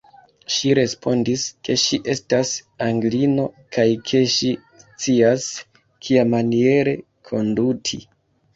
Ŝi respondis, ke ŝi estas Anglino, kaj ke ŝi scias, kiamaniere konduti.